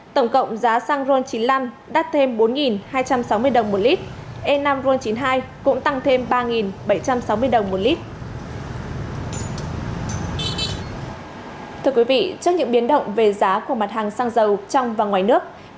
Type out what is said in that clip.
tổng cộng giá xăng ron chín mươi năm đắt thêm bốn hai trăm sáu mươi đồng một lít